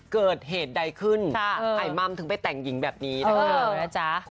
เกิดเหตุใดขึ้นไอ้ม่ำถึงไปแต่งหญิงแบบนี้นะคะ